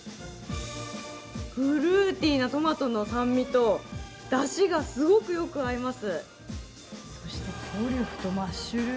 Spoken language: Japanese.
フルーティーなトマトの酸味とだしがすごくよく合います。